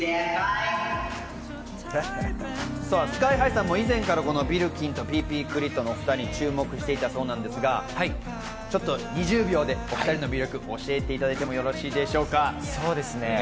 ＳＫＹ−ＨＩさんも以前からこのＢｉｌｌｋｉｎとＰＰＫｒｉｔのお２人に注目していたそうなんですが、２０秒で魅力を教えていただいてもよろしいでしょうか。